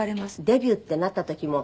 デビューってなった時も。